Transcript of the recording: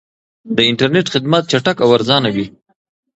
د انټرنیټ خدمات چټک او ارزانه وي.